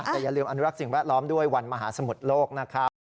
แต่อย่าลืมอนุรักษ์สิ่งแวดล้อมด้วยวันมหาสมุทรโลกนะครับ